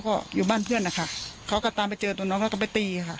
ก็อยู่บ้านเพื่อนนะคะเขาก็ตามไปเจอตัวน้องแล้วก็ไปตีค่ะ